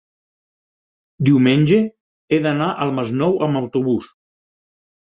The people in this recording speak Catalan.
diumenge he d'anar al Masnou amb autobús.